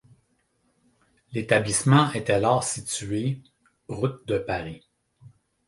L'établissement est alors situé route de Paris.